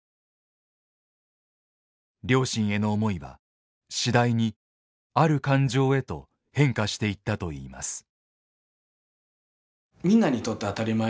両親への思いは次第にある感情へと変化していったといいます。